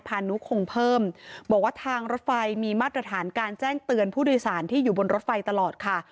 พานุคงเพิ่มบอกว่าทางรถไฟมีมาตรฐานการแจ้งเตือนผู้โดยสารที่อยู่บนรถไฟตลอดค่ะ